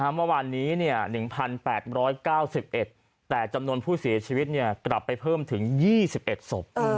เมื่อวานนี้๑๘๙๑แต่จำนวนผู้เสียชีวิตกลับไปเพิ่มถึง๒๑ศพ